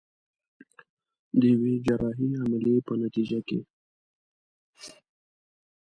د يوې جراحي عمليې په نتيجه کې.